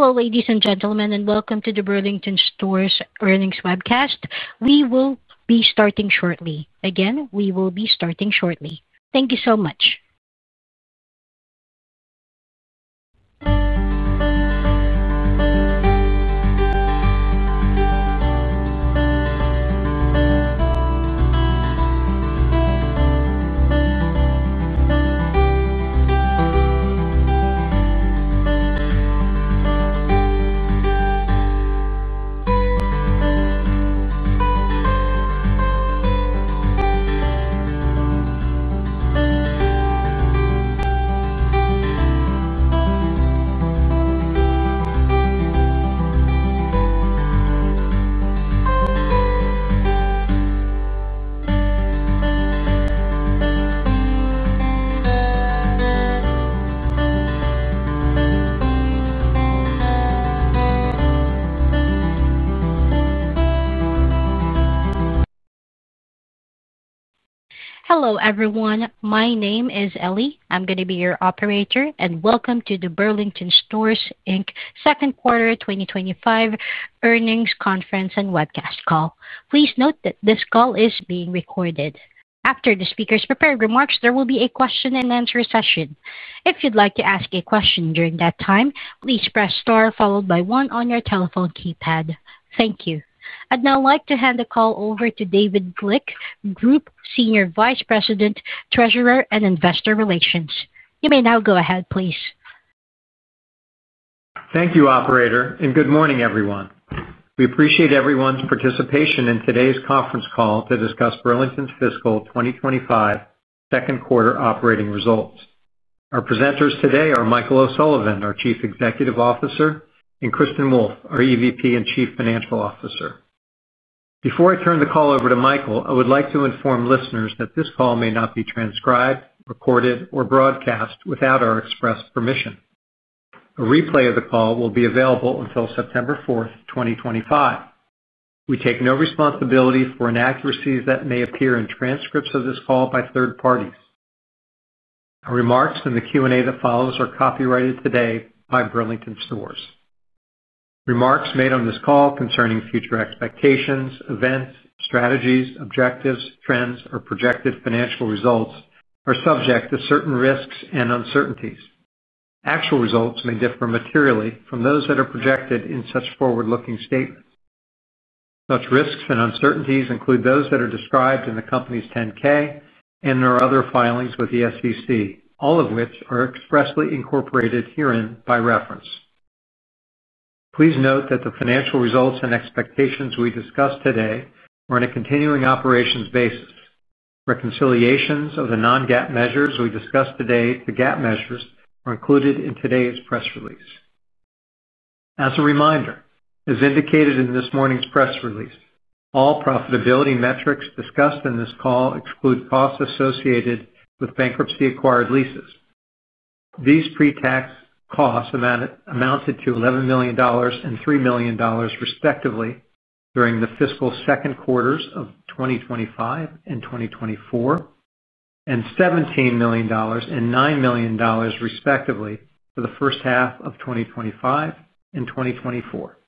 Hello, ladies and gentlemen, and welcome to the Burlington Stores Earnings Webcast. We will be starting shortly. Again, we will be starting shortly. Thank you so much. Hello, everyone. My name is Ellie. I'm going to be your operator, and welcome to the Burlington Stores Inc Second Quarter 2025 Earnings Conference and Webcast Call. Please note that this call is being recorded. After the speaker's prepared remarks, there will be a question-answer session. If you'd like to ask a question during that time, please press star followed by one on your telephone keypad. Thank you. I'd now like to hand the call over to David Glick, Group Senior Vice President, Treasurer, and Investor Relations. You may now go ahead, please. Thank you, Operator, and good morning, everyone. We appreciate everyone's participation in today's conference call to discuss Burlington fiscal 2025 Second Quarter Operating Results. Our presenters today are Michael O'Sullivan, our Chief Executive Officer, and Kristin Wolfe, our EVP and Chief Financial Officer. Before I turn the call over to Michael, I would like to inform listeners that this call may not be transcribed, recorded, or broadcast without our express permission. A replay of the call will be available until September 4th, 2025. We take no responsibility for inaccuracies that may appear in transcripts of this call by third-parties. Our remarks in the Q&A that follows are copyrighted today by Burlington Stores. Remarks made on this call concerning future expectations, events, strategies, objectives, trends, or projected financial results are subject to certain risks and uncertainties. Actual results may differ materially from those that are projected in such forward-looking statements. Such risks and uncertainties include those that are described in the company's 10-K and our other filings with the SEC, all of which are expressly incorporated herein by reference. Please note that the financial results and expectations we discussed today are on a continuing operations basis. Reconciliations of the non-GAAP measures we discussed today to the GAAP measures are included in today's press release. As a reminder, as indicated in this morning's press release, all profitability metrics discussed in this call exclude costs associated with bankruptcy-acquired leases. These pre-tax costs amounted to $11 million and $3 million, respectively, during the fiscal second quarters of 2025 and 2024, and $17 million and $9 million, respectively, for the first half of 2025 and 2024.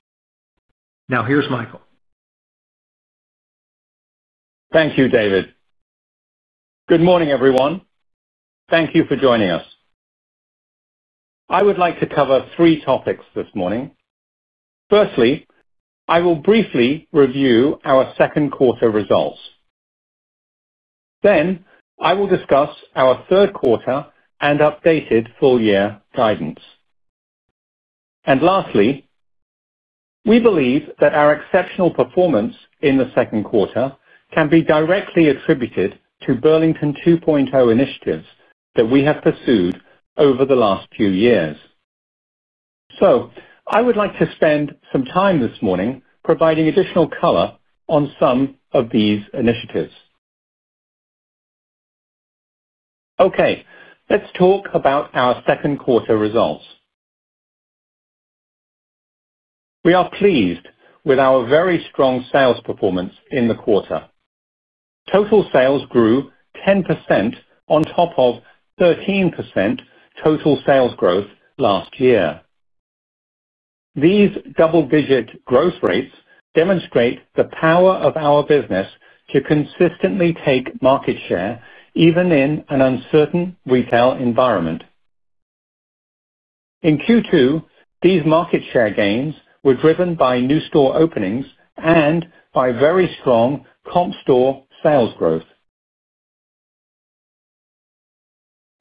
Now, here's Michael. Thank you, David. Good morning, everyone. Thank you for joining us. I would like to cover three topics this morning. Firstly, I will briefly review our second quarter results. Then, I will discuss our third quarter and updated full-year guidance. Lastly, we believe that our exceptional performance in the second quarter can be directly attributed to Burlington 2.0 initiatives that we have pursued over the last few years. I would like to spend some time this morning providing additional color on some of these initiatives. Okay, let's talk about our second quarter results. We are pleased with our very strong sales performance in the quarter. Total sales grew 10% on top of 13% total sales growth last year. These double-digit growth rates demonstrate the power of our business to consistently take market share, even in an uncertain retail environment. In Q2, these market share gains were driven by new store openings and by very strong comparable store sales growth.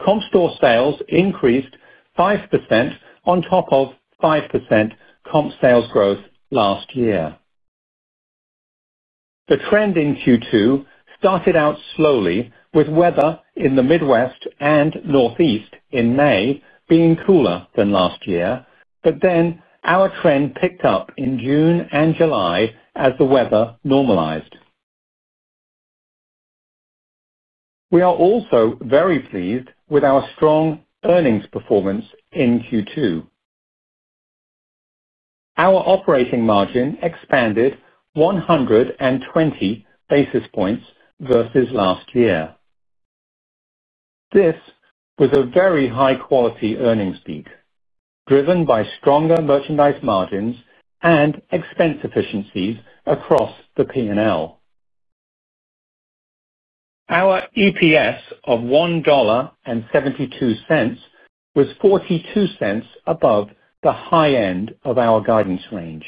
Comparable store sales increased 5% on top of 5% comparable sales growth last year. The trend in Q2 started out slowly with weather in the Midwest and Northeast in May being cooler than last year, but our trend picked up in June and July as the weather normalized. We are also very pleased with our strong earnings performance in Q2. Our operating margin expanded 120 basis points versus last year. This was a very high-quality earnings beat, driven by stronger merchandise margins and expense efficiencies across the P&L. Our adjusted EPS of $1.72 was $0.42 above the high end of our guidance range.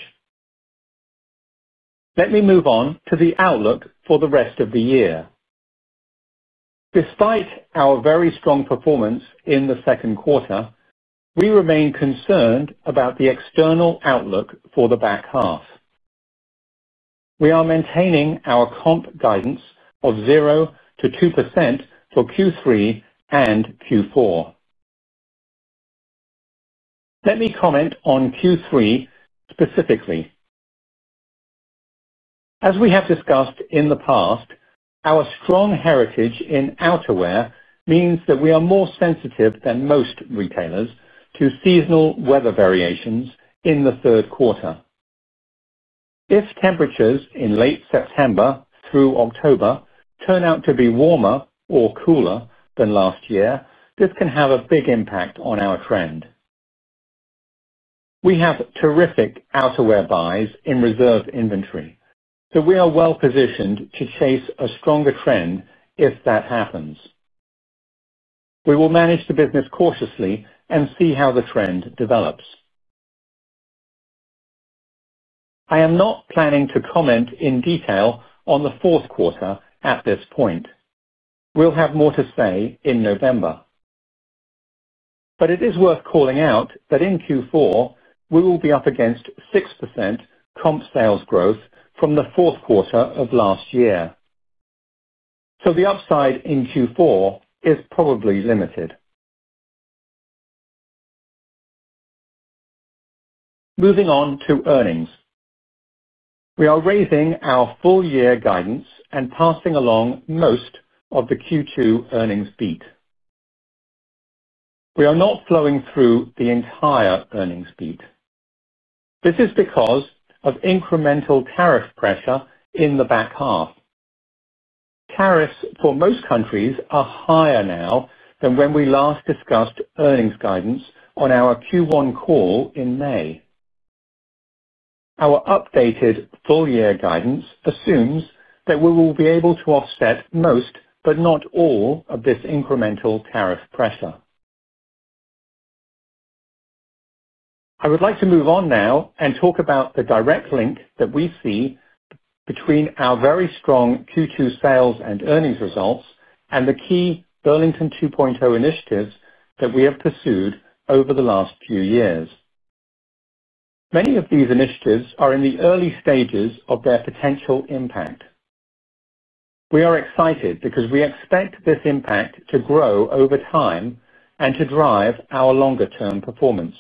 Let me move on to the outlook for the rest of the year. Despite our very strong performance in the second quarter, we remain concerned about the external outlook for the back half. We are maintaining our comparable guidance of 0%-2% for Q3 and Q4. Let me comment on Q3 specifically. As we have discussed in the past, our strong heritage in outerwear means that we are more sensitive than most retailers to seasonal weather variations in the third quarter. If temperatures in late September through October turn out to be warmer or cooler than last year, this can have a big impact on our trend. We have terrific outerwear buys in reserve inventory, so we are well positioned to chase a stronger trend if that happens. We will manage the business cautiously and see how the trend develops. I am not planning to comment in detail on the fourth quarter at this point. We'll have more to say in November. It is worth calling out that in Q4, we will be up against 6% comp sales growth from the fourth quarter of last year. The upside in Q4 is probably limited. Moving on to earnings, we are raising our full-year guidance and passing along most of the Q2 earnings beat. We are not flowing through the entire earnings beat. This is because of incremental tariff pressure in the back half. Tariffs for most countries are higher now than when we last discussed earnings guidance on our Q1 call in May. Our updated full-year guidance assumes that we will be able to offset most, but not all, of this incremental tariff pressure. I would like to move on now and talk about the direct link that we see between our very strong Q2 sales and earnings results and the key Burlington 2.0 initiatives that we have pursued over the last few years. Many of these initiatives are in the early stages of their potential impact. We are excited because we expect this impact to grow over time and to drive our longer-term performance.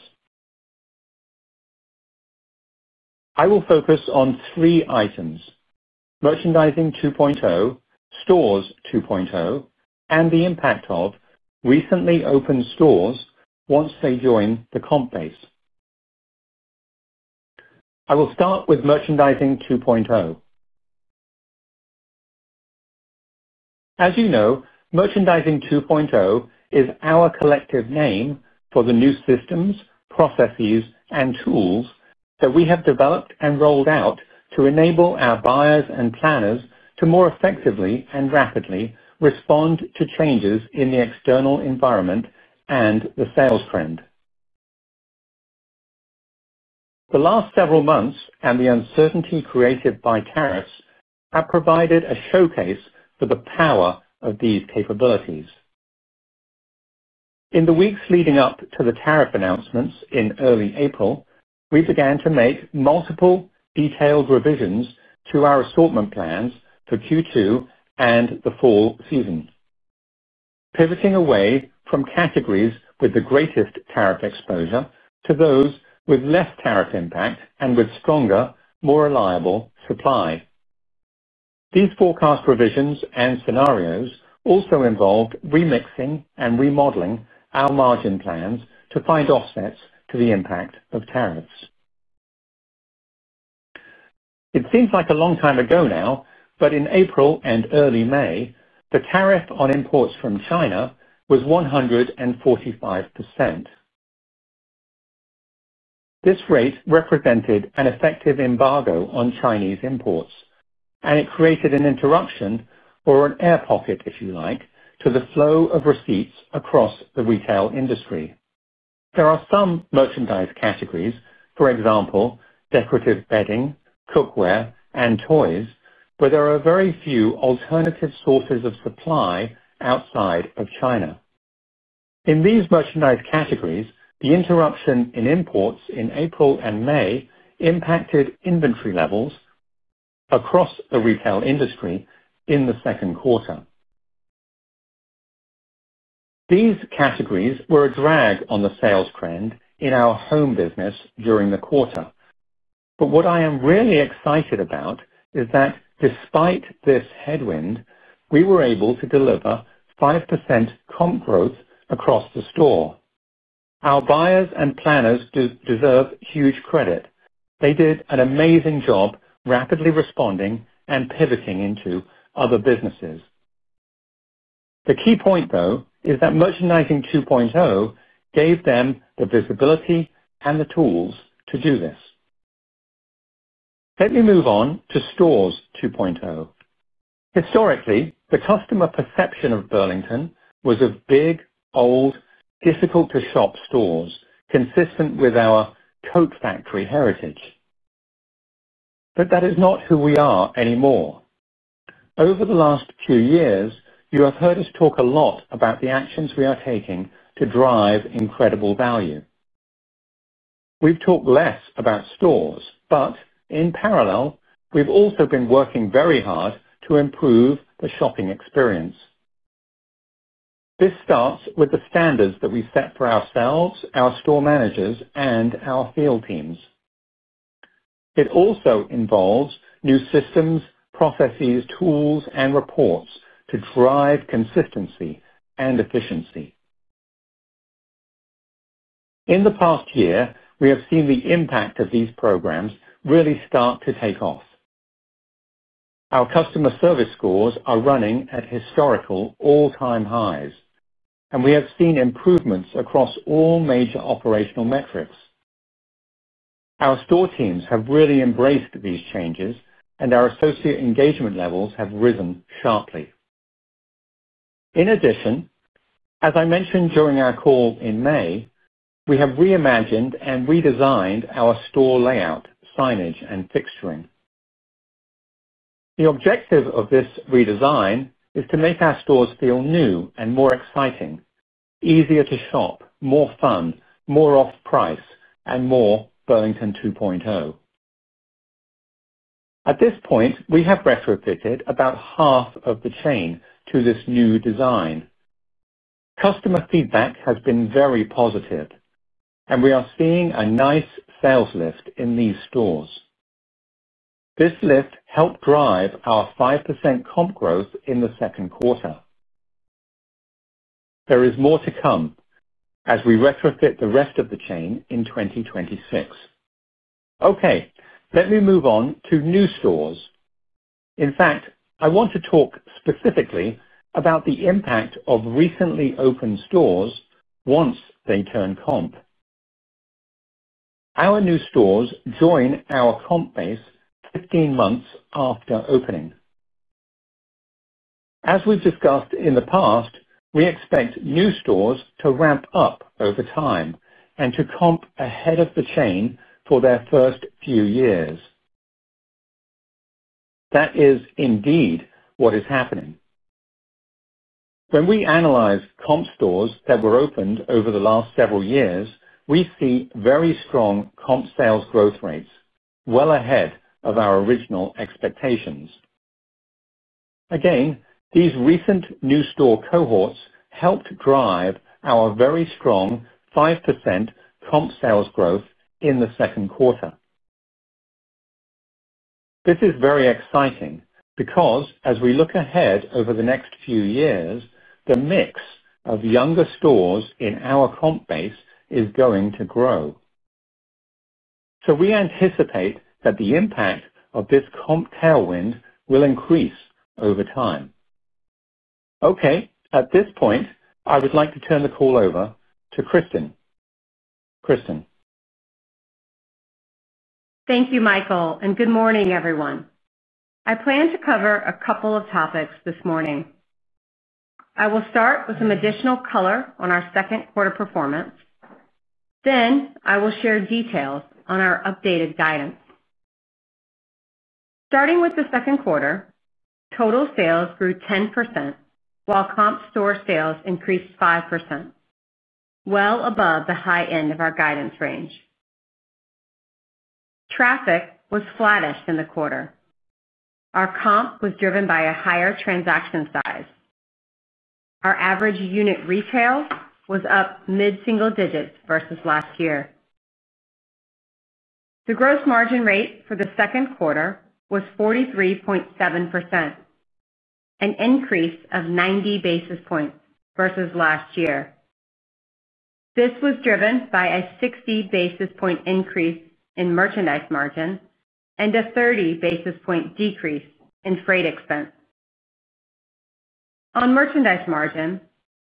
I will focus on three items: Merchandising 2.0, Stores 2.0, and the impact of recently opened stores once they join the comp base. I will start with Merchandising 2.0. As you know, Merchandising 2.0 is our collective name for the new systems, processes, and tools that we have developed and rolled out to enable our buyers and planners to more effectively and rapidly respond to changes in the external environment and the sales trend. The last several months and the uncertainty created by tariffs have provided a showcase for the power of these capabilities. In the weeks leading up to the tariff announcements in early April, we began to make multiple detailed revisions to our assortment plans for Q2 and the fall season, pivoting away from categories with the greatest tariff exposure to those with less tariff impact and with stronger, more reliable supply. These forecast revisions and scenarios also involved remixing and remodeling our margin plans to find offsets to the impact of tariffs. It seems like a long time ago now, but in April and early May, the tariff on imports from China was 145%. This rate represented an effective embargo on Chinese imports, and it created an interruption, or an air pocket, if you like, to the flow of receipts across the retail industry. There are some merchandise categories, for example, decorative bedding, cookware, and toys, but there are very few alternative sources of supply outside of China. In these merchandise categories, the interruption in imports in April and May impacted inventory levels across the retail industry in the second quarter. These categories were a drag on the sales trend in our home business during the quarter. What I am really excited about is that despite this headwind, we were able to deliver 5% comp growth across the store. Our buyers and planners deserve huge credit. They did an amazing job rapidly responding and pivoting into other businesses. The key point, though, is that Merchandising 2.0 gave them the visibility and the tools to do this. Let me move on to Stores 2.0. Historically, the customer perception of Burlington was of big, old, difficult-to-shop stores, consistent with our tote factory heritage. That is not who we are anymore. Over the last few years, you have heard us talk a lot about the actions we are taking to drive incredible value. We've talked less about stores, but in parallel, we've also been working very hard to improve the shopping experience. This starts with the standards that we set for ourselves, our store managers, and our field teams. It also involves new systems, processes, tools, and reports to drive consistency and efficiency. In the past year, we have seen the impact of these programs really start to take off. Our customer service scores are running at historical all-time highs, and we have seen improvements across all major operational metrics. Our store teams have really embraced these changes, and our associate engagement levels have risen sharply. In addition, as I mentioned during our call in May, we have reimagined and redesigned our store layout, signage, and fixturing. The objective of this redesign is to make our stores feel new and more exciting, easier to shop, more fun, more off-price, and more Burlington 2.0. At this point, we have retrofitted about half of the chain to this new design. Customer feedback has been very positive, and we are seeing a nice sales lift in these stores. This lift helped drive our 5% comp growth in the second quarter. There is more to come as we retrofit the rest of the chain in 2026. Let me move on to new stores. In fact, I want to talk specifically about the impact of recently opened stores once they turn comp. Our new stores join our comp base 15 months after opening. As we've discussed in the past, we expect new stores to ramp up over time and to comp ahead of the chain for their first few years. That is indeed what is happening. When we analyze comp stores that were opened over the last several years, we see very strong comp sales growth rates, well ahead of our original expectations. Again, these recent new store cohorts helped drive our very strong 5% comp sales growth in the second quarter. This is very exciting because as we look ahead over the next few years, the mix of younger stores in our comp base is going to grow. We anticipate that the impact of this comp tailwind will increase over time. At this point, I would like to turn the call over to Kristin. Kristin. Thank you, Michael, and good morning, everyone. I plan to cover a couple of topics this morning. I will start with some additional color on our second quarter performance. Then I will share details on our updated guidance. Starting with the second quarter, total sales grew 10% while comparable store sales increased 5%, well above the high end of our guidance range. Traffic was flattest in the quarter. Our comp was driven by a higher transaction size. Our average unit retail was up mid-single digits versus last year. The gross margin rate for the second quarter was 43.7%, an increase of 90 basis points versus last year. This was driven by a 60 basis point increase in merchandise margin and a 30 basis point decrease in freight expense. On merchandise margin,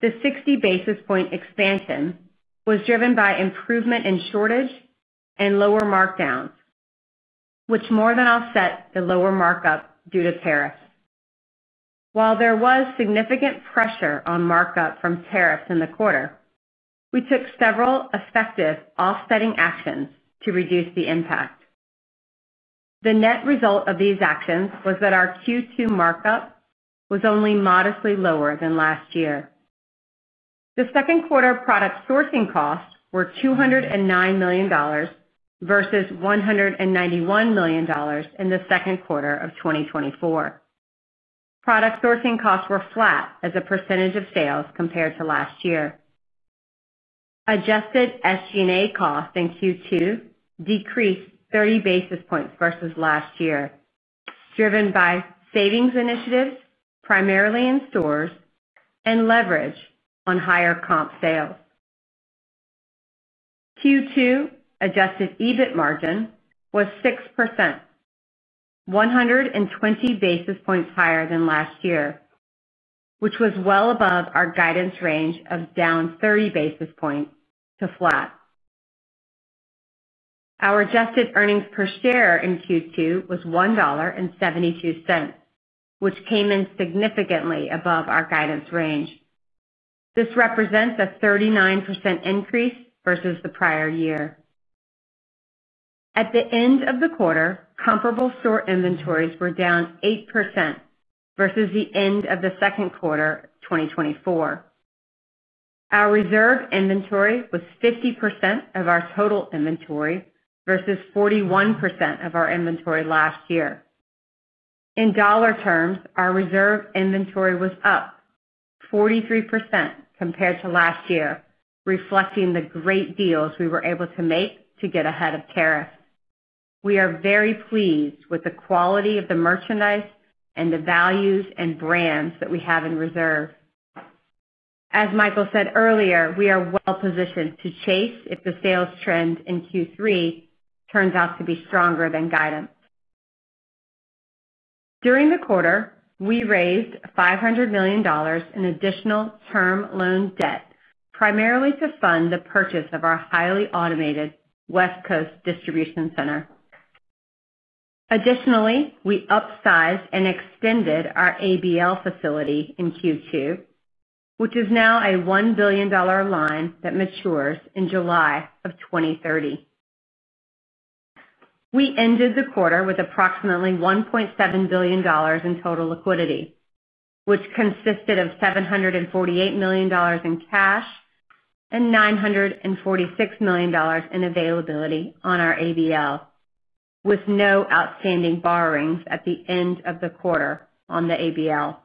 the 60 basis point expansion was driven by improvement in shortage and lower markdowns, which more than offset the lower markup due to tariffs. While there was significant pressure on markup from tariffs in the quarter, we took several effective offsetting actions to reduce the impact. The net result of these actions was that our Q2 markup was only modestly lower than last year. The second quarter product sourcing costs were $209 million versus $191 million in the second quarter of 2024. Product sourcing costs were flat as a percentage of sales compared to last year. Adjusted SG&A costs in Q2 decreased 30 basis points versus last year, driven by savings initiatives primarily in stores and leverage on higher comp sales. Q2 adjusted EBIT margin was 6%, 120 basis points higher than last year, which was well above our guidance range of down 30 basis points to flat. Our adjusted earnings per share in Q2 was $1.72, which came in significantly above our guidance range. This represents a 39% increase versus the prior year. At the end of the quarter, comparable store inventories were down 8% versus the end of the second quarter of 2024. Our reserve inventory was 50% of our total inventory versus 41% of our inventory last year. In dollar terms, our reserve inventory was up 43% compared to last year, reflecting the great deals we were able to make to get ahead of tariffs. We are very pleased with the quality of the merchandise and the values and brands that we have in reserve. As Michael said earlier, we are well positioned to chase if the sales trend in Q3 turns out to be stronger than guidance. During the quarter, we raised $500 million in additional term loan debt, primarily to fund the purchase of our highly automated West Coast distribution center. Additionally, we upsized and extended our ABL facility in Q2, which is now a $1 billion line that matures in July of 2030. We ended the quarter with approximately $1.7 billion in total liquidity, which consisted of $748 million in cash and $946 million in availability on our ABL, with no outstanding borrowings at the end of the quarter on the ABL.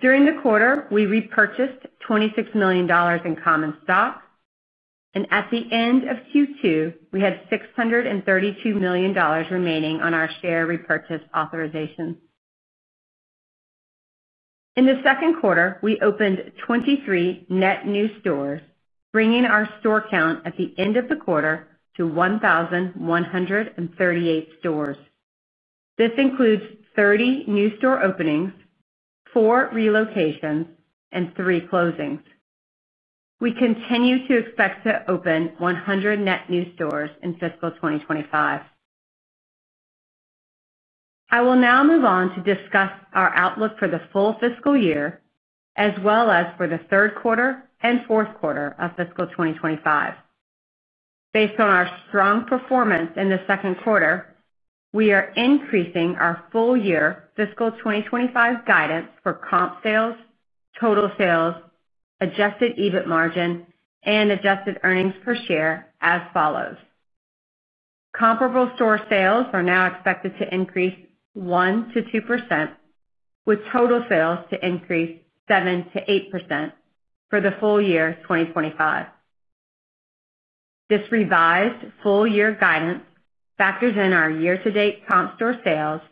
During the quarter, we repurchased $26 million in common stock, and at the end of Q2, we had $632 million remaining on our share repurchase authorization. In the second quarter, we opened 23 net new stores, bringing our store count at the end of the quarter to 1,138 stores. This includes 30 new store openings, four relocations, and three closings. We continue to expect to open 100 net new stores in fiscal 2025. I will now move on to discuss our outlook for the full fiscal year, as well as for the third quarter and fourth quarter of fiscal 2025. Based on our strong performance in the second quarter, we are increasing our full-year fiscal 2025 guidance for comp sales, total sales, adjusted EBIT margin, and adjusted earnings per share as follows. Comparable store sales are now expected to increase 1%-2%, with total sales to increase 7%-8% for the full year 2025. This revised full-year guidance factors in our year-to-date comp store sales,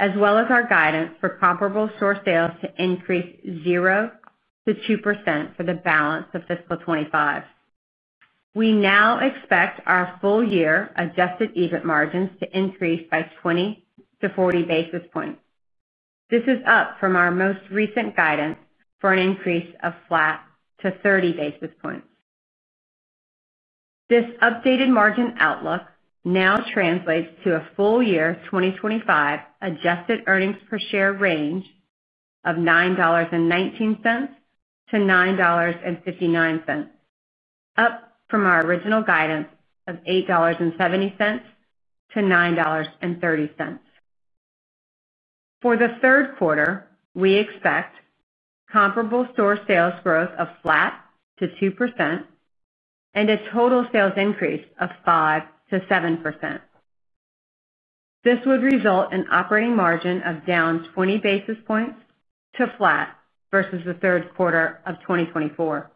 as well as our guidance for comparable store sales to increase 0%-2% for the balance of fiscal 2025. We now expect our full-year adjusted EBIT margins to increase by 20-40 basis points. This is up from our most recent guidance for an increase of flat to 30 basis points. This updated margin outlook now translates to a full-year 2025 adjusted earnings per share range of $9.1-$9.59, up from our original guidance of $8.70-$9.30. For the third quarter, we expect comparable store sales growth of flat to 2% and a total sales increase of 5%-7%. This would result in an operating margin of down 20 basis points to flat versus the third quarter of 2024.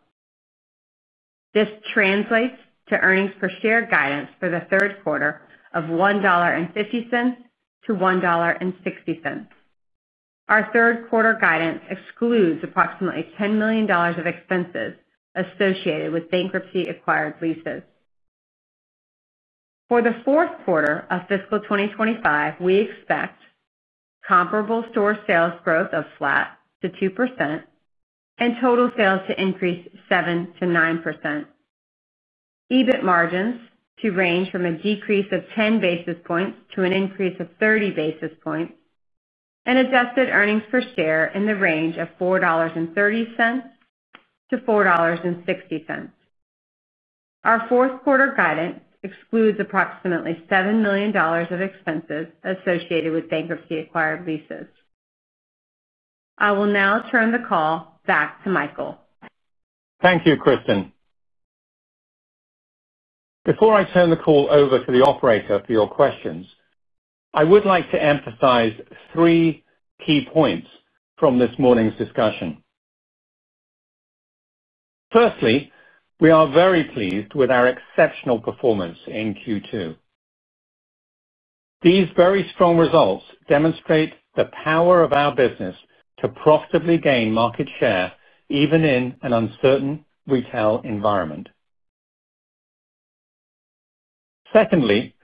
This translates to earnings per share guidance for the third quarter of $1.50-$1.60. Our third quarter guidance excludes approximately $10 million of expenses associated with bankruptcy-acquired leases. For the fourth quarter of fiscal 2025, we expect comparable store sales growth of flat to 2% and total sales to increase 7%-9%. EBIT margins to range from a decrease of 10 basis points to an increase of 30 basis points, and adjusted earnings per share in the range of $4.30-$4.60. Our fourth quarter guidance excludes approximately $7 million of expenses associated with bankruptcy-acquired leases. I will now turn the call back to Michael. Thank you, Kristin. Before I turn the call over to the operator for your questions, I would like to emphasize three key points from this morning's discussion. Firstly, we are very pleased with our exceptional performance in Q2. These very strong results demonstrate the power of our business to profitably gain market share even in an uncertain retail environment. Secondly,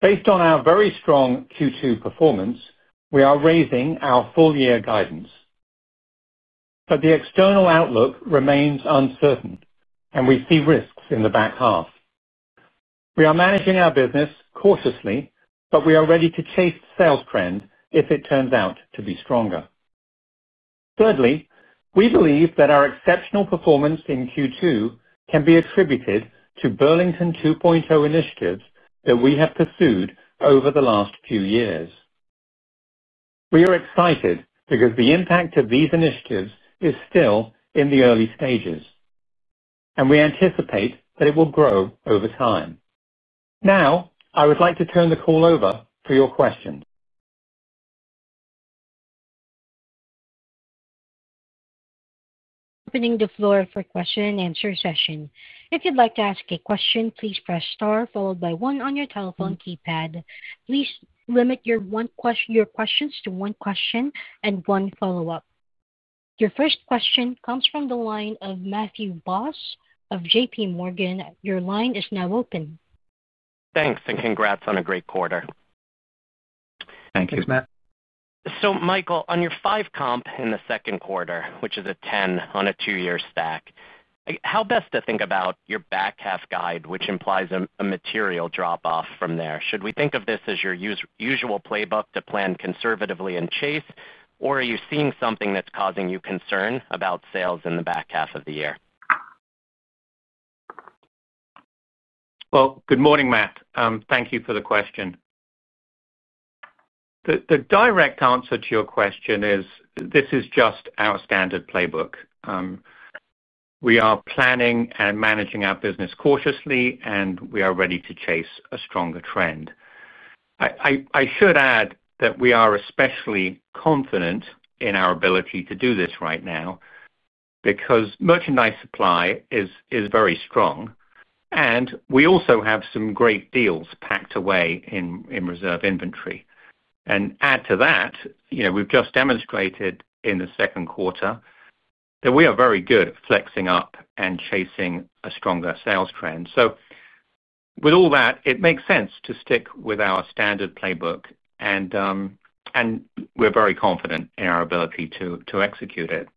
based on our very strong Q2 performance, we are raising our full-year guidance. The external outlook remains uncertain, and we see risks in the back half. We are managing our business cautiously, but we are ready to chase the sales trend if it turns out to be stronger. Thirdly, we believe that our exceptional performance in Q2 can be attributed to Burlington 2.0 initiatives that we have pursued over the last few years. We are excited because the impact of these initiatives is still in the early stages, and we anticipate that it will grow over time. Now, I would like to turn the call over for your questions. Opening the floor for question and answer session. If you'd like to ask a question, please press star followed by one on your telephone keypad. Please limit your questions to one question and one follow-up. Your first question comes from the line of Matthew Boss of JPMorgan. Your line is now open. Thanks, and congrats on a great quarter. Thank you. Michael, on your five comp in the second quarter, which is a 10 on a two-year stack, how best to think about your back half guide, which implies a material drop-off from there? Should we think of this as your usual playbook to plan conservatively and chase, or are you seeing something that's causing you concern about sales in the back half of the year? Good morning, Matt. Thank you for the question. The direct answer to your question is this is just our standard playbook. We are planning and managing our business cautiously, and we are ready to chase a stronger trend. I should add that we are especially confident in our ability to do this right now because merchandise supply is very strong, and we also have some great deals packed away in reserve inventory. Add to that, you know, we have just demonstrated in the second quarter that we are very good at flexing up and chasing a stronger sales trend. With all that, it makes sense to stick with our standard playbook, and we are very confident in our ability to execute it.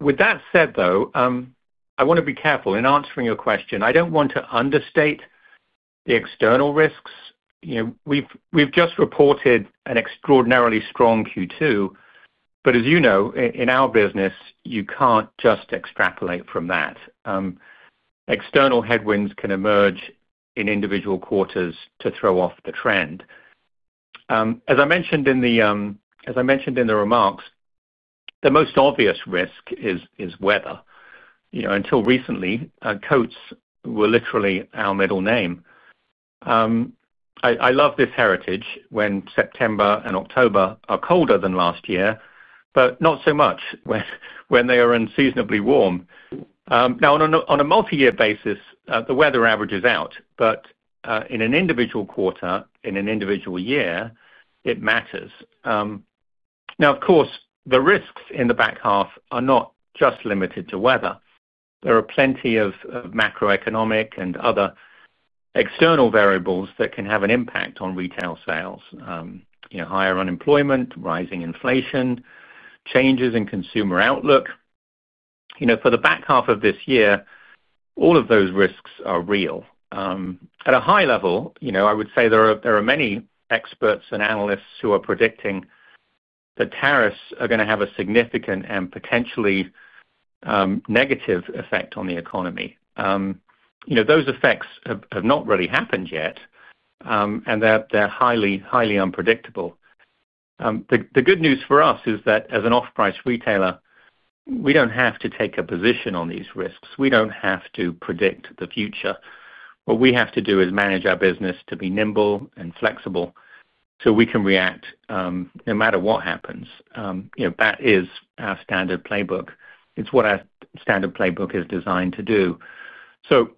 With that said, I want to be careful in answering your question. I do not want to understate the external risks. We have just reported an extraordinarily strong Q2, but as you know, in our business, you cannot just extrapolate from that. External headwinds can emerge in individual quarters to throw off the trend. As I mentioned in the remarks, the most obvious risk is weather. Until recently, coats were literally our middle name. I love this heritage when September and October are colder than last year, but not so much when they are unseasonably warm. On a multi-year basis, the weather averages out, but in an individual quarter, in an individual year, it matters. Of course, the risks in the back half are not just limited to weather. There are plenty of macroeconomic and other external variables that can have an impact on retail sales. Higher unemployment, rising inflation, changes in consumer outlook. For the back half of this year, all of those risks are real. At a high level, I would say there are many experts and analysts who are predicting that tariffs are going to have a significant and potentially negative effect on the economy. Those effects have not really happened yet, and they are highly, highly unpredictable. The good news for us is that as an off-price retailer, we do not have to take a position on these risks. We do not have to predict the future. What we have to do is manage our business to be nimble and flexible so we can react no matter what happens. That is our standard playbook. It is what our standard playbook is designed to do.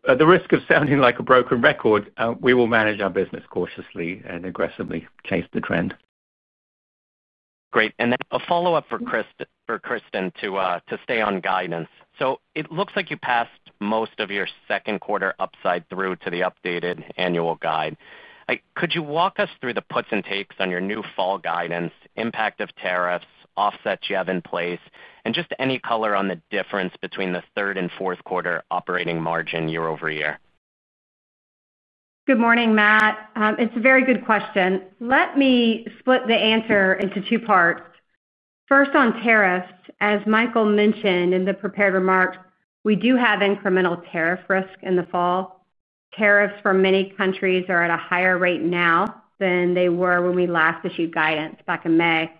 At the risk of sounding like a broken record, we will manage our business cautiously and aggressively chase the trend. Great. A follow-up for Kristin to stay on guidance. It looks like you passed most of your second quarter upside through to the updated annual guide. Could you walk us through the puts and takes on your new fall guidance, impact of tariffs, offsets you have in place, and any color on the difference between the third and fourth quarter operating margin year-over-year? Good morning, Matt. It's a very good question. Let me split the answer into two parts. First, on tariffs, as Michael mentioned in the prepared remarks, we do have incremental tariff risk in the fall. Tariffs for many countries are at a higher rate now than they were when we last issued guidance back in May.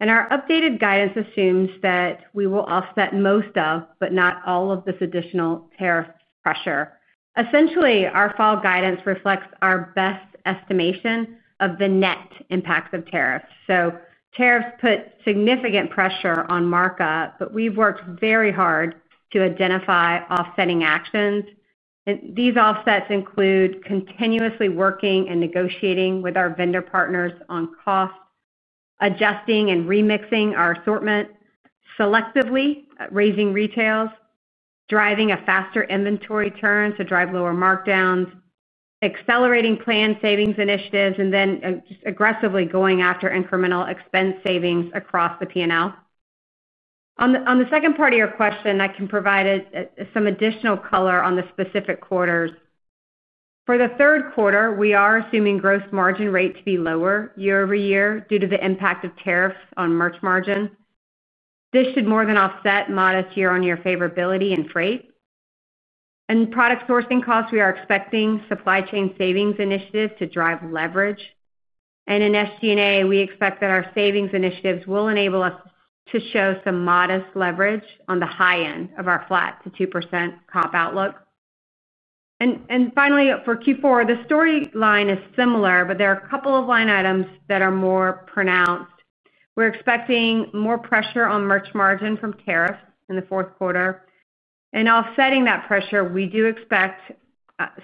Our updated guidance assumes that we will offset most of, but not all of, this additional tariff pressure. Essentially, our fall guidance reflects our best estimation of the net impacts of tariffs. Tariffs put significant pressure on markup, but we've worked very hard to identify offsetting actions. These offsets include continuously working and negotiating with our vendor partners on cost, adjusting and remixing our assortment, selectively raising retails, driving a faster inventory turn to drive lower markdowns, accelerating planned savings initiatives, and aggressively going after incremental expense savings across the P&L. On the second part of your question, I can provide some additional color on the specific quarters. For the third quarter, we are assuming gross margin rate to be lower year-over-year due to the impact of tariffs on merch margin. This should more than offset modest year-on-year favorability in freight. In product sourcing costs, we are expecting supply chain savings initiatives to drive leverage. In SG&A, we expect that our savings initiatives will enable us to show some modest leverage on the high end of our flat to 2% comp outlook. Finally, for Q4, the story line is similar, but there are a couple of line items that are more pronounced. We're expecting more pressure on merch margin from tariffs in the fourth quarter. Offsetting that pressure, we do expect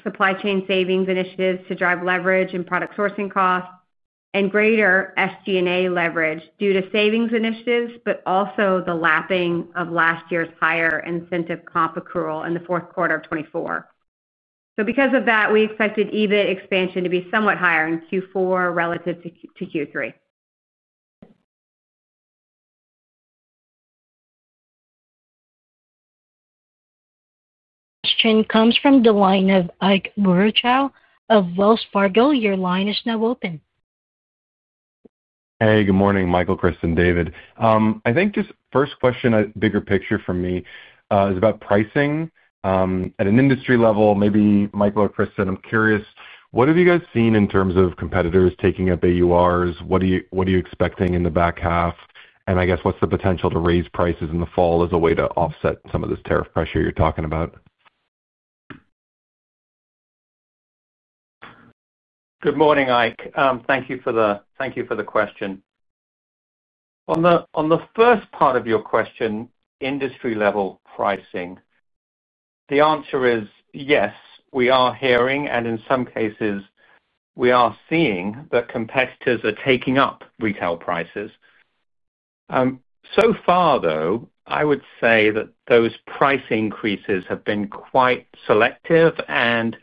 supply chain savings initiatives to drive leverage in product sourcing costs and greater SG&A leverage due to savings initiatives, but also the lapping of last year's higher incentive comp accrual in the fourth quarter of 2024. Because of that, we expected EBIT expansion to be somewhat higher in Q4 relative to Q3. Question comes from the line of Ike Boruchow of Wells Fargo. Your line is now open. Hey, good morning, Michael, Kristin, David. I think this first question, a bigger picture for me, is about pricing. At an industry level, maybe Michael or Kristin, I'm curious, what have you guys seen in terms of competitors taking up AURs? What are you expecting in the back half? I guess what's the potential to raise prices in the fall as a way to offset some of this tariff pressure you're talking about? Good morning, Ike. Thank you for the question. On the first part of your question, industry-level pricing, the answer is yes, we are hearing, and in some cases, we are seeing that competitors are taking up retail prices. So far, though, I would say that those price increases have been quite selective and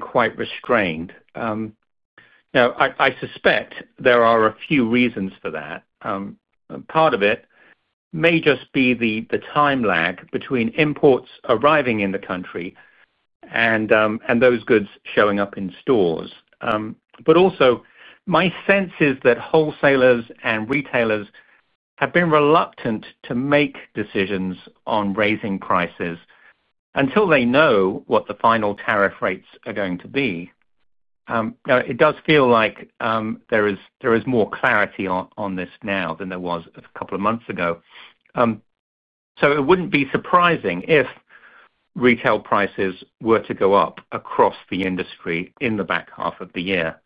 quite restrained. I suspect there are a few reasons for that. Part of it may just be the time lag between imports arriving in the country and those goods showing up in stores. Also, my sense is that wholesalers and retailers have been reluctant to make decisions on raising prices until they know what the final tariff rates are going to be. It does feel like there is more clarity on this now than there was a couple of months ago. It would not be surprising if retail prices were to go up across the industry in the back half of the year.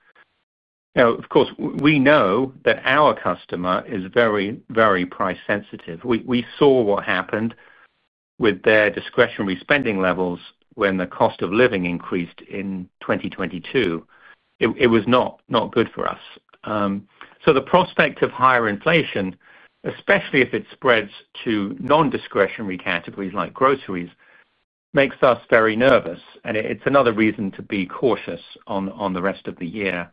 Of course, we know that our customer is very, very price-sensitive. We saw what happened with their discretionary spending levels when the cost of living increased in 2022. It was not good for us. The prospect of higher inflation, especially if it spreads to non-discretionary categories like groceries, makes us very nervous, and it is another reason to be cautious on the rest of the year.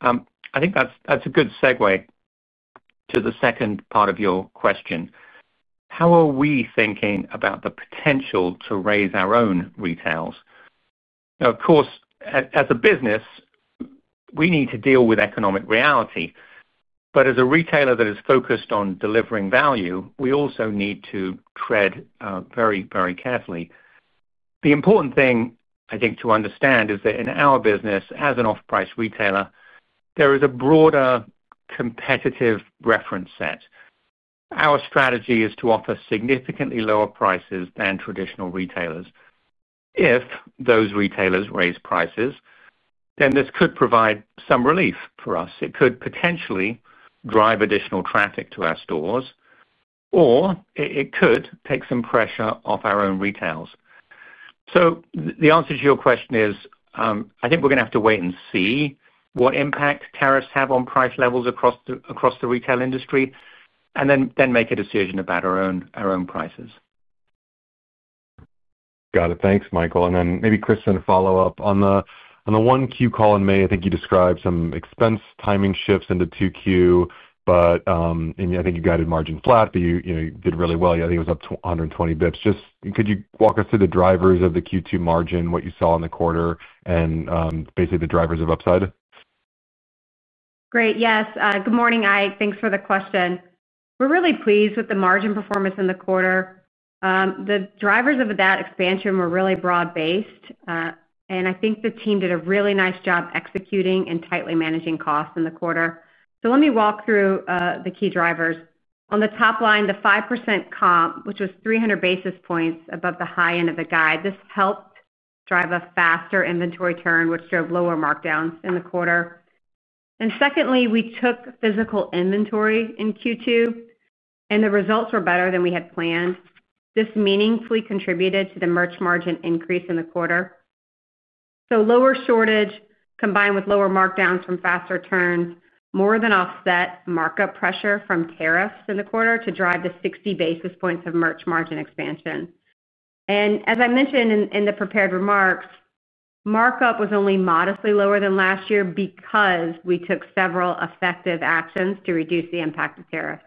I think that is a good segue to the second part of your question. How are we thinking about the potential to raise our own retails? Of course, as a business, we need to deal with economic reality. As a retailer that is focused on delivering value, we also need to tread very, very carefully. The important thing, I think, to understand is that in our business, as an off-price retailer, there is a broader competitive reference set. Our strategy is to offer significantly lower prices than traditional retailers. If those retailers raise prices, then this could provide some relief for us. It could potentially drive additional traffic to our stores, or it could take some pressure off our own retails. The answer to your question is I think we are going to have to wait and see what impact tariffs have on price levels across the retail industry, and then make a decision about our own prices. Got it. Thanks, Michael. Maybe Kristin, a follow-up. On the Q1 call in May, I think you described some expense timing shifts into Q2, but I think you guided margin flat, but you did really well. I think it was up to 120 bps. Could you walk us through the drivers of the Q2 margin, what you saw in the quarter, and basically the drivers of upside? Great. Yes. Good morning, Ike. Thanks for the question. We're really pleased with the margin performance in the quarter. The drivers of that expansion were really broad-based, and I think the team did a really nice job executing and tightly managing costs in the quarter. Let me walk through the key drivers. On the top line, the 5% comp, which was 300 basis points above the high end of the guide, helped drive a faster inventory turn, which drove lower markdowns in the quarter. Secondly, we took physical inventory in Q2, and the results were better than we had planned. This meaningfully contributed to the merch margin increase in the quarter. Lower shortage, combined with lower markdowns from faster turns, more than offset markup pressure from tariffs in the quarter to drive the 60 basis points of merch margin expansion. As I mentioned in the prepared remarks, markup was only modestly lower than last year because we took several effective actions to reduce the impact of tariffs.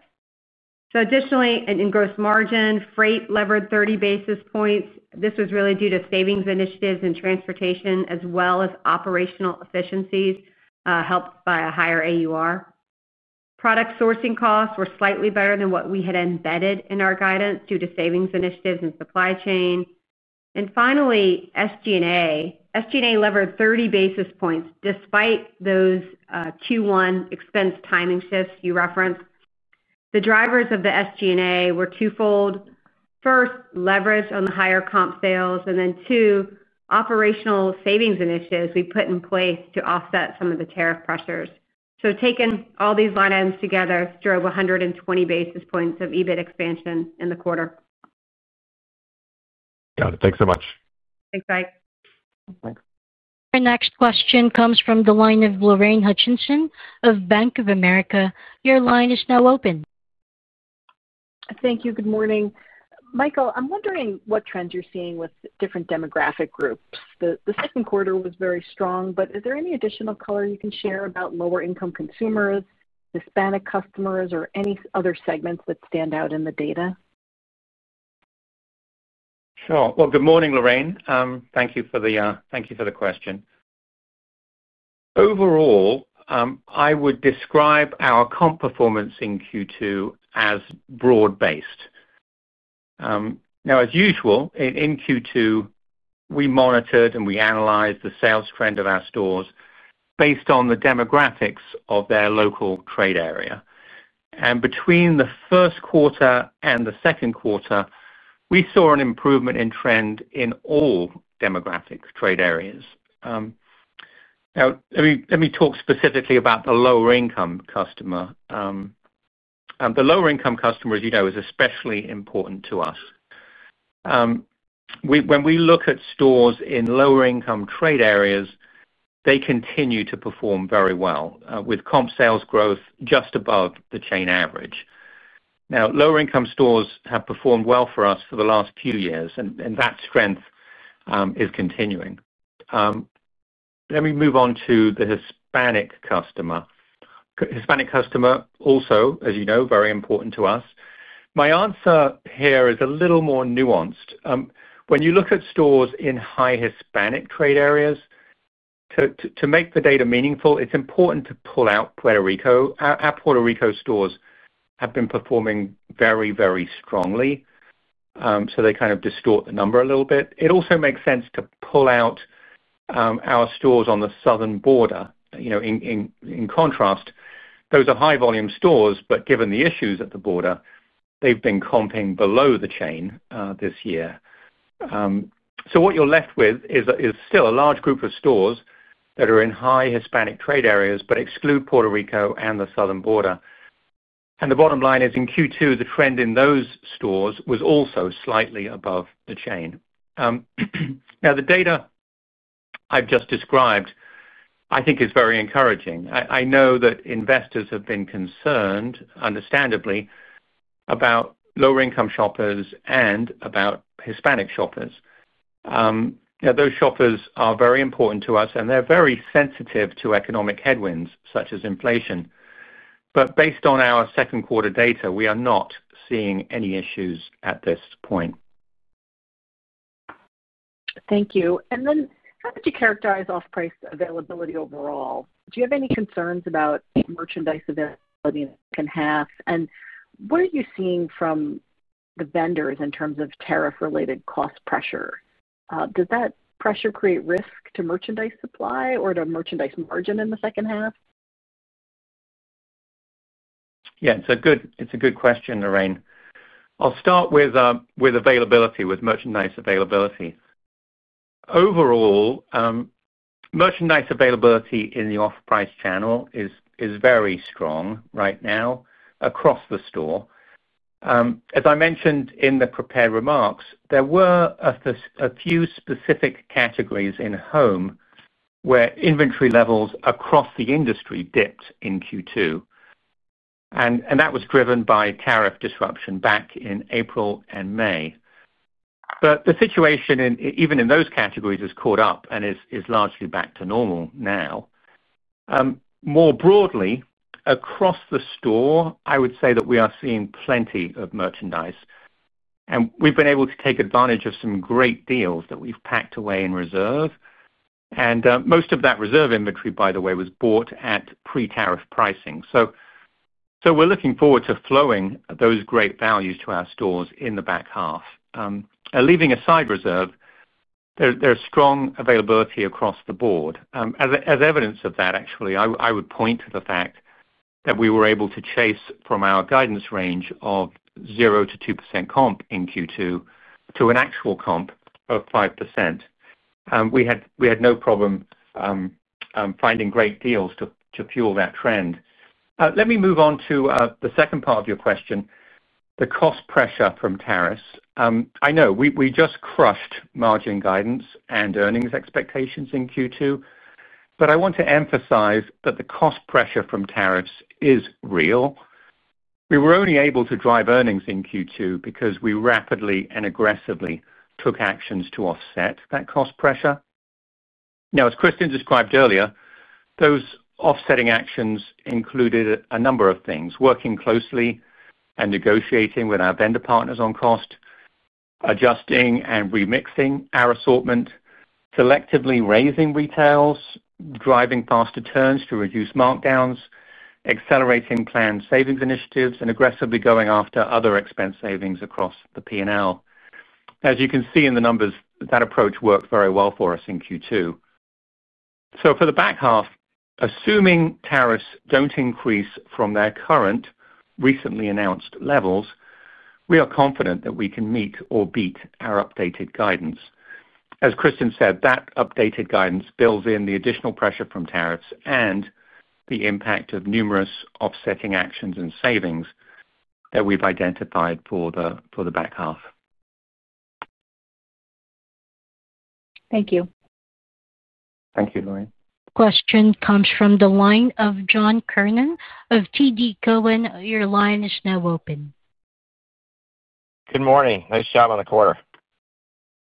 Additionally, in gross margin, freight levered 30 basis points. This was really due to savings initiatives and transportation, as well as operational efficiencies helped by a higher AUR. Product sourcing costs were slightly better than what we had embedded in our guidance due to savings initiatives and supply chain. Finally, SG&A. SG&A levered 30 basis points despite those Q1 expense timing shifts you referenced. The drivers of the SG&A were twofold. First, leverage on the higher comp sales, and then operational savings initiatives we put in place to offset some of the tariff pressures. Taking all these line items together drove 120 basis points of EBIT expansion in the quarter. Got it. Thanks so much. Thanks, Ike. Our next question comes from the line of Lorraine Hutchinson of Bank of America. Your line is now open. Thank you. Good morning. Michael, I'm wondering what trends you're seeing with different demographic groups. The second quarter was very strong, but is there any additional color you can share about lower-income consumers, Hispanic customers, or any other segments that stand out in the data? Sure. Good morning, Lorraine. Thank you for the question. Overall, I would describe our comp performance in Q2 as broad-based. As usual, in Q2, we monitored and analyzed the sales trend of our stores based on the demographics of their local trade area. Between the first quarter and the second quarter, we saw an improvement in trend in all demographic trade areas. Let me talk specifically about the lower-income customer. The lower-income customer, as you know, is especially important to us. When we look at stores in lower-income trade areas, they continue to perform very well, with comp sales growth just above the chain average. Lower-income stores have performed well for us for the last few years, and that strength is continuing. Let me move on to the Hispanic customer. Hispanic customer also, as you know, is very important to us. My answer here is a little more nuanced. When you look at stores in high Hispanic trade areas, to make the data meaningful, it's important to pull out Puerto Rico. Our Puerto Rico stores have been performing very, very strongly, so they kind of distort the number a little bit. It also makes sense to pull out our stores on the southern border. In contrast, those are high-volume stores, but given the issues at the border, they've been comping below the chain this year. What you're left with is still a large group of stores that are in high Hispanic trade areas, but exclude Puerto Rico and the southern border. The bottom line is, in Q2, the trend in those stores was also slightly above the chain. The data I've just described, I think, is very encouraging. I know that investors have been concerned, understandably, about lower-income shoppers and about Hispanic shoppers. Those shoppers are very important to us, and they're very sensitive to economic headwinds such as inflation. Based on our second quarter data, we are not seeing any issues at this point. Thank you. How would you characterize off-price availability overall? Do you have any concerns about merchandise availability in half? What are you seeing from the vendors in terms of tariff-related cost pressure? Does that pressure create risk to merchandise supply or to merchandise margin in the second half? Yeah, it's a good question, Lorraine. I'll start with availability, with merchandise availability. Overall, merchandise availability in the off-price channel is very strong right now across the store. As I mentioned in the prepared remarks, there were a few specific categories in home where inventory levels across the industry dipped in Q2. That was driven by tariff disruption back in April and May. The situation even in those categories has caught up and is largely back to normal now. More broadly, across the store, I would say that we are seeing plenty of merchandise. We've been able to take advantage of some great deals that we've packed away in reserve. Most of that reserve inventory, by the way, was bought at pre-tariff pricing. We're looking forward to flowing those great values to our stores in the back half. Leaving aside reserve, there's strong availability across the board. As evidence of that, actually, I would point to the fact that we were able to chase from our guidance range of 0%-2% comp in Q2 to an actual comp of 5%. We had no problem finding great deals to fuel that trend. Let me move on to the second part of your question, the cost pressure from tariffs. I know we just crushed margin guidance and earnings expectations in Q2, but I want to emphasize that the cost pressure from tariffs is real. We were only able to drive earnings in Q2 because we rapidly and aggressively took actions to offset that cost pressure. Now, as Kristin described earlier, those offsetting actions included a number of things: working closely and negotiating with our vendor partners on cost, adjusting and remixing our assortment, selectively raising retails, driving faster turns to reduce markdowns, accelerating planned savings initiatives, and aggressively going after other expense savings across the P&L. As you can see in the numbers, that approach worked very well for us in Q2. For the back half, assuming tariffs don't increase from their current recently announced levels, we are confident that we can meet or beat our updated guidance. As Kristin said, that updated guidance builds in the additional pressure from tariffs and the impact of numerous offsetting actions and savings that we've identified for the back half. Thank you. Thank you, Lorraine. Question comes from the line of John Kernan of TD Cowen. Your line is now open. Good morning. Nice job on the quarter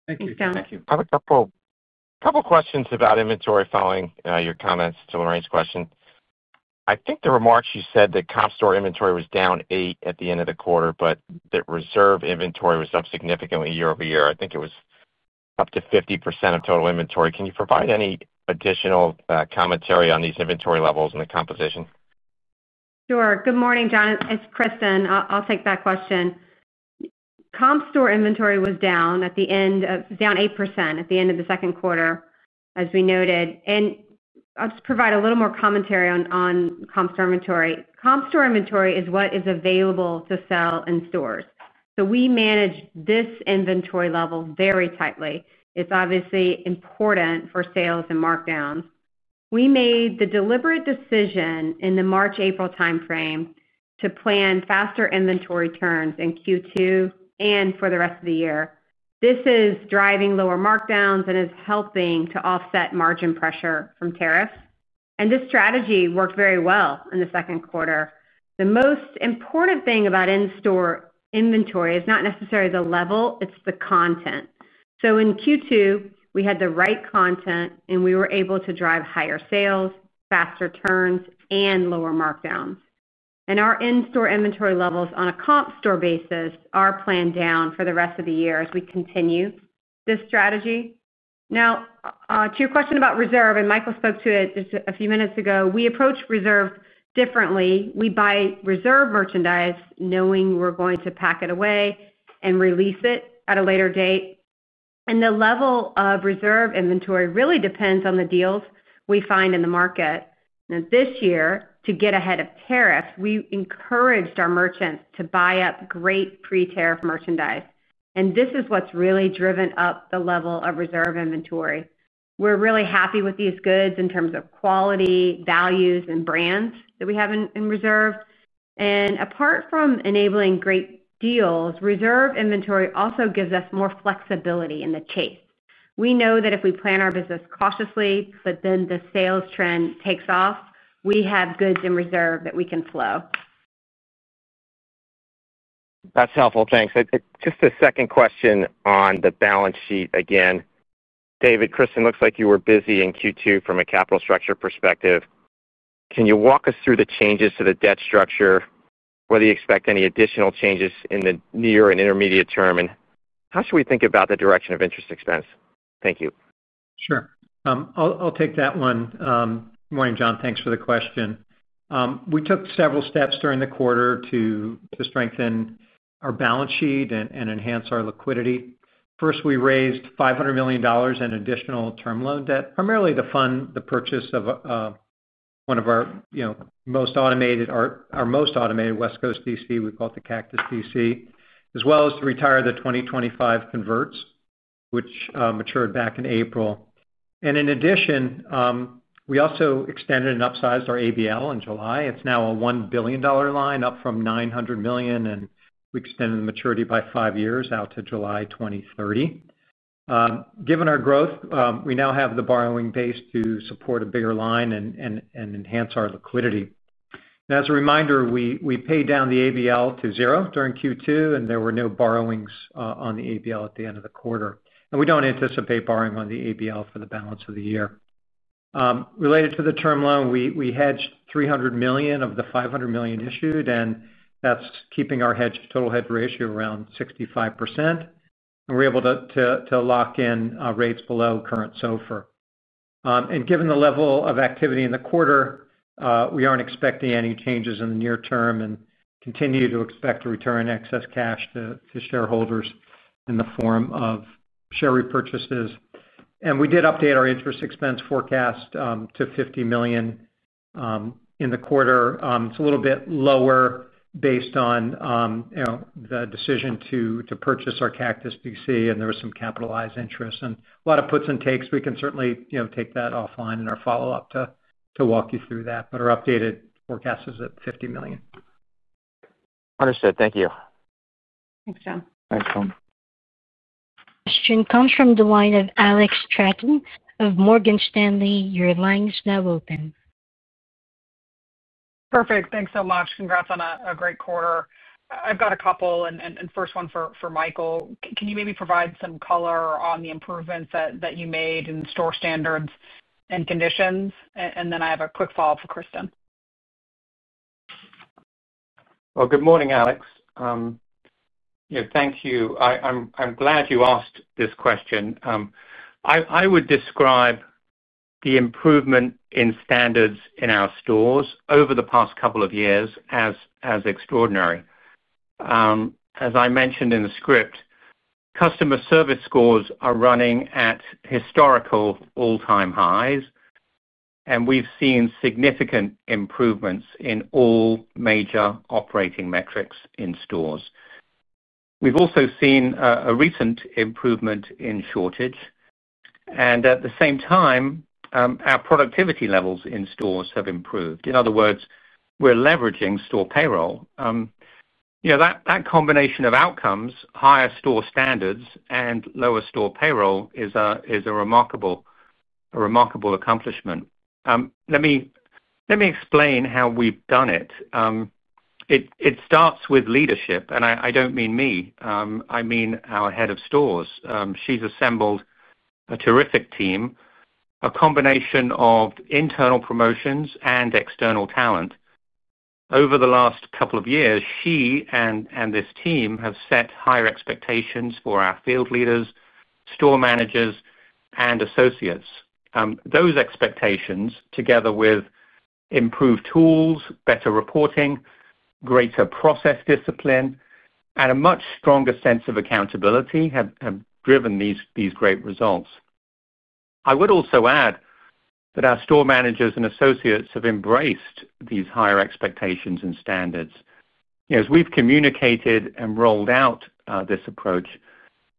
Thank you, John. Have a couple of questions about inventory following your comments to Lorraine's question. I think the remarks, you said that comp store inventory was down 8% at the end of the quarter, but that reserve inventory was up significantly year over year. I think it was up to 50% of total inventory. Can you provide any additional commentary on these inventory levels and the composition? Sure. Good morning, John. It's Kristin. I'll take that question. Comp store inventory was down 8% at the end of the second quarter, as we noted. I'll just provide a little more commentary on comp store inventory. Comp store inventory is what is available to sell in stores. We manage this inventory level very tightly. It's obviously important for sales and markdowns. We made the deliberate decision in the March-April timeframe to plan faster inventory turns in Q2 and for the rest of the year. This is driving lower markdowns and is helping to offset margin pressure from tariffs. This strategy worked very well in the second quarter. The most important thing about in-store inventory is not necessarily the level, it's the content. In Q2, we had the right content, and we were able to drive higher sales, faster turns, and lower markdowns. Our in-store inventory levels on a comp store basis are planned down for the rest of the year as we continue this strategy. Now, to your question about reserve, and Michael spoke to it just a few minutes ago, we approach reserve differently. We buy reserve merchandise knowing we're going to pack it away and release it at a later date. The level of reserve inventory really depends on the deals we find in the market. This year, to get ahead of tariffs, we encouraged our merchants to buy up great pre-tariff merchandise. This is what's really driven up the level of reserve inventory. We're really happy with these goods in terms of quality, values, and brands that we have in reserve. Apart from enabling great deals, reserve inventory also gives us more flexibility in the chase. We know that if we plan our business cautiously, but then the sales trend takes off, we have goods in reserve that we can flow. That's helpful. Thanks. Just a second question on the balance sheet again. David, Kristin, looks like you were busy in Q2 from a capital structure perspective. Can you walk us through the changes to the debt structure? Whether you expect any additional changes in the near and intermediate term, and how should we think about the direction of interest expense? Thank you. Sure. I'll take that one. Good morning, John. Thanks for the question. We took several steps during the quarter to strengthen our balance sheet and enhance our liquidity. First, we raised $500 million in additional term loan debt, primarily to fund the purchase of one of our most automated West Coast DC, we call it the Cactus DC, as well as to retire the 2025 converts, which matured back in April. In addition, we also extended and upsized our ABL facility in July. It's now a $1 billion line, up from $900 million, and we extended the maturity by five years out to July 2030. Given our growth, we now have the borrowing base to support a bigger line and enhance our liquidity. As a reminder, we paid down the ABL facility to zero during Q2, and there were no borrowings on the ABL facility at the end of the quarter. We don't anticipate borrowing on the ABL facility for the balance of the year. Related to the term loan, we hedged $300 million of the $500 million issued, and that's keeping our total hedge ratio around 65%. We were able to lock in rates below current SOFR. Given the level of activity in the quarter, we aren't expecting any changes in the near term and continue to expect to return excess cash to shareholders in the form of share repurchases. We did update our interest expense forecast to $50 million in the quarter. It's a little bit lower based on the decision to purchase our Cactus DC, and there was some capitalized interest and a lot of puts and takes. We can certainly take that offline in our follow-up to walk you through that. Our updated forecast is at $50 million. Understood. Thank you. Thanks, John. Excellent. Question comes from the line of Alex Straton of Morgan Stanley. Your line is now open. Perfect. Thanks so much. Congrats on a great quarter. I've got a couple, and first one for Michael. Can you maybe provide some color on the improvements that you made in store standards and conditions? I have a quick follow-up for Kristin. Good morning, Alex. Thank you. I'm glad you asked this question. I would describe the improvement in standards in our stores over the past couple of years as extraordinary. As I mentioned in the script, customer service scores are running at historical all-time highs, and we've seen significant improvements in all major operating metrics in stores. We've also seen a recent improvement in shortage, and at the same time, our productivity levels in stores have improved. In other words, we're leveraging store payroll. That combination of outcomes, higher store standards, and lower store payroll is a remarkable accomplishment. Let me explain how we've done it. It starts with leadership, and I don't mean me. I mean our Head of Stores. She's assembled a terrific team, a combination of internal promotions and external talent. Over the last couple of years, she and this team have set higher expectations for our field leaders, Store Managers, and associates. Those expectations, together with improved tools, better reporting, greater process discipline, and a much stronger sense of accountability, have driven these great results. I would also add that our Store Managers and associates have embraced these higher expectations and standards. As we've communicated and rolled out this approach,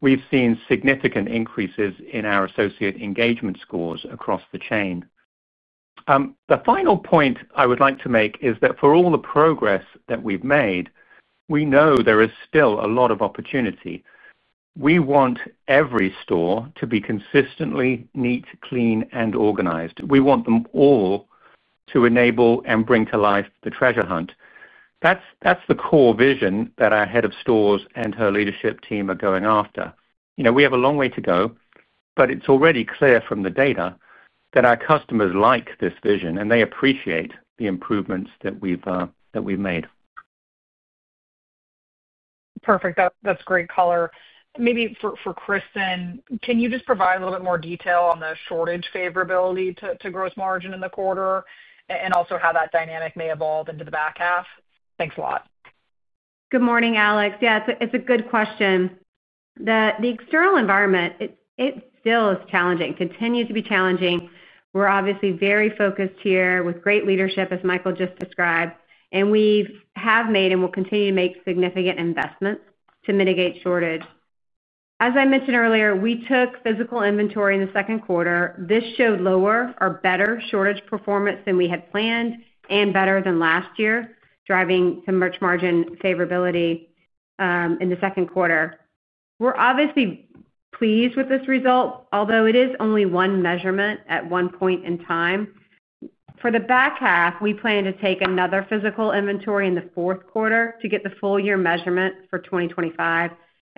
we've seen significant increases in our associate engagement scores across the chain. The final point I would like to make is that for all the progress that we've made, we know there is still a lot of opportunity. We want every store to be consistently neat, clean, and organized. We want them all to enable and bring to life the treasure hunt. That's the core vision that our Head of Stores and her leadership team are going after. We have a long way to go, but it's already clear from the data that our customers like this vision, and they appreciate the improvements that we've made. Perfect. That's great color. Maybe for Kristin, can you just provide a little bit more detail on the shortage favorability to gross margin in the quarter, and also how that dynamic may evolve into the back half? Thanks a lot. Good morning, Alex. Yeah, it's a good question. The external environment, it still is challenging, continues to be challenging. We're obviously very focused here with great leadership, as Michael just described, and we have made and will continue to make significant investments to mitigate shortage. As I mentioned earlier, we took physical inventory in the second quarter. This showed lower or better shortage performance than we had planned and better than last year, driving to merch margin favorability in the second quarter. We're obviously pleased with this result, although it is only one measurement at one point in time. For the back half, we plan to take another physical inventory in the fourth quarter to get the full-year measurement for 2025.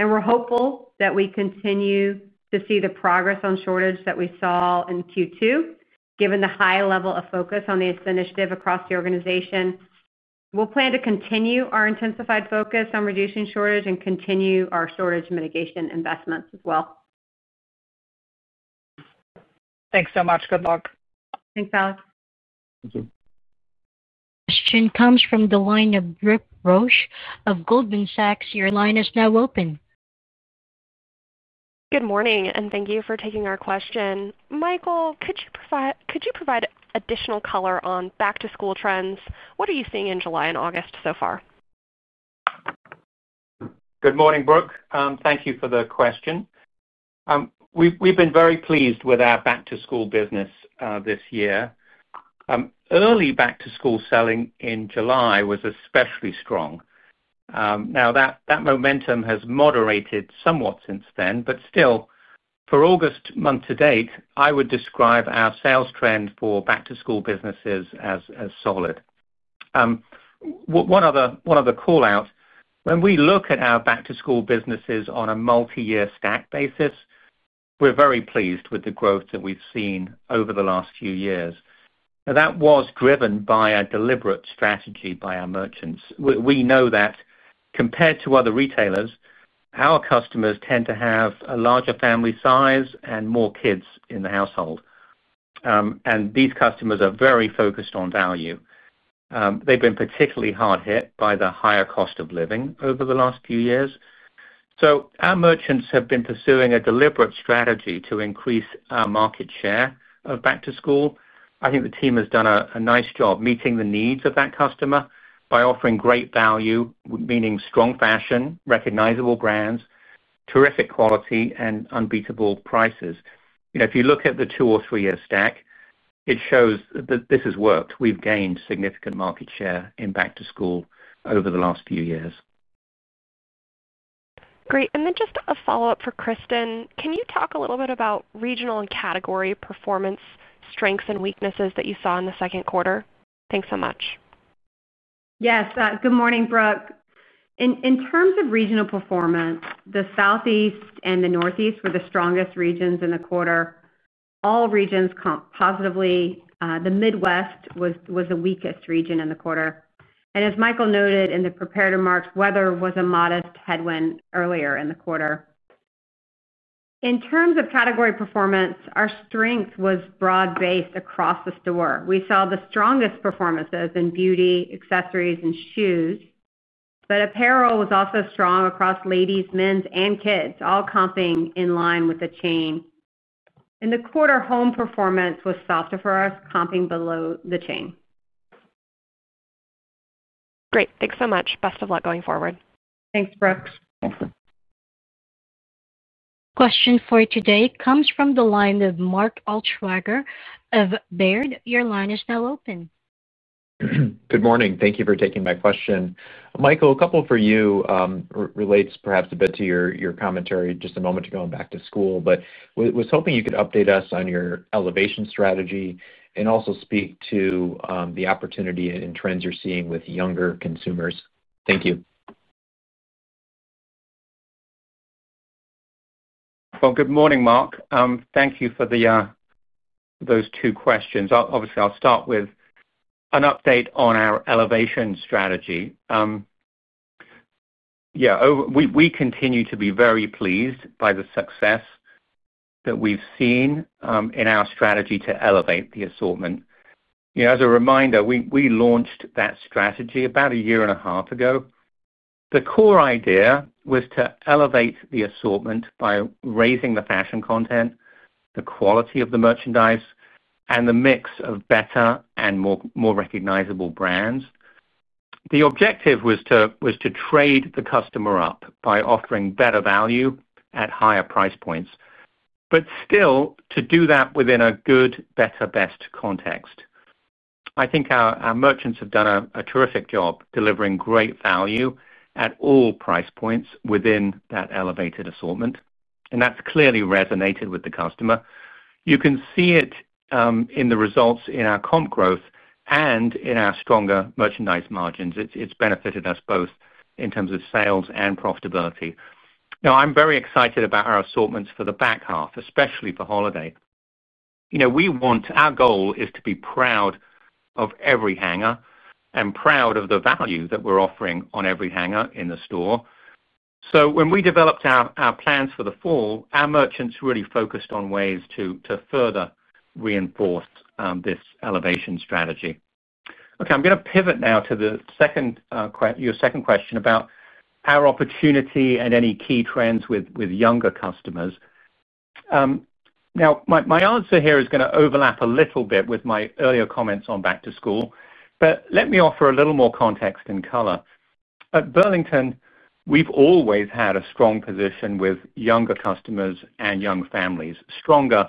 We're hopeful that we continue to see the progress on shortage that we saw in Q2, given the high level of focus on this initiative across the organization. We plan to continue our intensified focus on reducing shortage and continue our shortage mitigation investments as well. Thanks so much. Good luck. Thanks, Alex. Question comes from the line of Brooke Roach of Goldman Sachs .Your line is now open. Good morning, and thank you for taking our question. Michael, could you provide additional color on back-to-school trends? What are you seeing in July and August so far? Good morning, Brooke. Thank you for the question. We've been very pleased with our back-to-school business this year. Early back-to-school selling in July was especially strong. Now, that momentum has moderated somewhat since then, but still, for August month to date, I would describe our sales trend for back-to-school business as solid. One other call-out: when we look at our back-to-school business on a multi-year stack basis, we're very pleased with the growth that we've seen over the last few years. That was driven by a deliberate strategy by our merchants. We know that compared to other retailers, our customers tend to have a larger family size and more kids in the household. These customers are very focused on value. They've been particularly hard hit by the higher cost of living over the last few years. Our merchants have been pursuing a deliberate strategy to increase our market share of back-to-school. I think the team has done a nice job meeting the needs of that customer by offering great value, meaning strong fashion, recognizable brands, terrific quality, and unbeatable prices. If you look at the two or three-year stack, it shows that this has worked. We've gained significant market share in back-to-school over the last few years. Great. Just a follow-up for Kristin. Can you talk a little bit about regional and category performance strengths and weaknesses that you saw in the second quarter? Thanks so much. Yes. Good morning, Brooke. In terms of regional performance, the Southeast and the Northeast were the strongest regions in the quarter. All regions comped positively. The Midwest was the weakest region in the quarter. As Michael noted in the prepared remarks, weather was a modest headwind earlier in the quarter. In terms of category performance, our strength was broad-based across the store. We saw the strongest performances in beauty, accessories, and shoes, but apparel was also strong across ladies, men's, and kids, all comping in line with the chain. In the quarter, home performance was softer for us, comping below the chain. Great. Thanks so much. Best of luck going forward. Thanks, Brooke. Question for today comes from the line of Mark Altschwager of Baird. Your line is now open. Good morning. Thank you for taking my question. Michael, a couple for you relates perhaps a bit to your commentary just a moment ago on back-to-school, but was hoping you could update us on your elevation strategy and also speak to the opportunity and trends you're seeing with younger consumers. Thank you. Good morning, Mark. Thank you for those two questions. Obviously, I'll start with an update on our elevation strategy. We continue to be very pleased by the success that we've seen in our strategy to elevate the assortment. As a reminder, we launched that strategy about a year and a half ago. The core idea was to elevate the assortment by raising the fashion content, the quality of the merchandise, and the mix of better and more recognizable brands. The objective was to trade the customer up by offering better value at higher price points, but still to do that within a good, better, best context. I think our merchants have done a terrific job delivering great value at all price points within that elevated assortment, and that's clearly resonated with the customer. You can see it in the results in our comp growth and in our stronger merchandise margins. It's benefited us both in terms of sales and profitability. I'm very excited about our assortments for the back half, especially for holiday. Our goal is to be proud of every hanger and proud of the value that we're offering on every hanger in the store. When we developed our plans for the fall, our merchants really focused on ways to further reinforce this elevation strategy. I'm going to pivot now to your second question about our opportunity and any key trends with younger customers. My answer here is going to overlap a little bit with my earlier comments on back-to-school, but let me offer a little more context and color. At Burlington, we've always had a strong position with younger customers and young families, stronger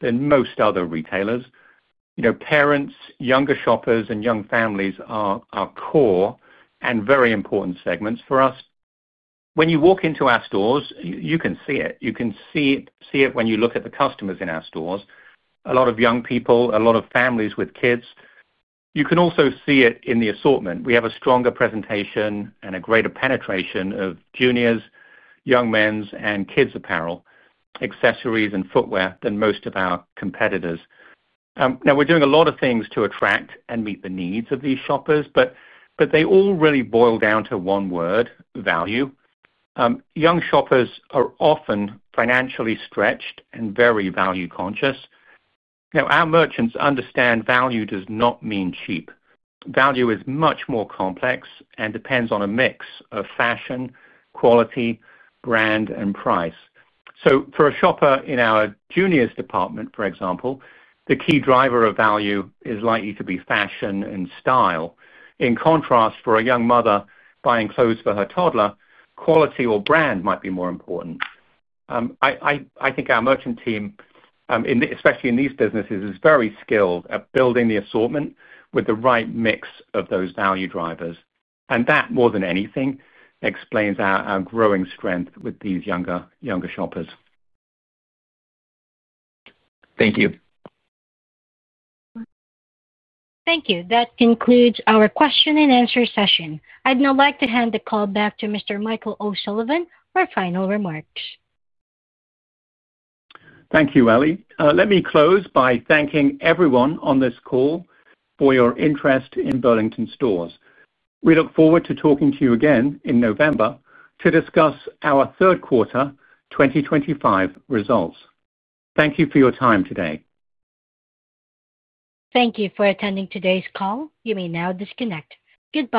than most other retailers. Parents, younger shoppers, and young families are core and very important segments for us. When you walk into our stores, you can see it. You can see it when you look at the customers in our stores, a lot of young people, a lot of families with kids. You can also see it in the assortment. We have a stronger presentation and a greater penetration of juniors, young men's, and kids' apparel, accessories, and footwear than most of our competitors. We're doing a lot of things to attract and meet the needs of these shoppers, but they all really boil down to one word: value. Young shoppers are often financially stretched and very value-conscious. Our merchants understand value does not mean cheap. Value is much more complex and depends on a mix of fashion, quality, brand, and price. For a shopper in our juniors department, for example, the key driver of value is likely to be fashion and style. In contrast, for a young mother buying clothes for her toddler, quality or brand might be more important. I think our merchant team, especially in these businesses, is very skilled at building the assortment with the right mix of those value drivers. That, more than anything, explains our growing strength with these younger shoppers. Thank you. Thank you. That concludes our question and answer session. I'd now like to hand the call back to Mr. Michael O'Sullivan for final remarks. Thank you, Ellie. Let me close by thanking everyone on this call for your interest in Burlington Stores. We look forward to talking to you again in November to discuss our third quarter 2025 results. Thank you for your time today. Thank you for attending today's call. You may now disconnect. Goodbye.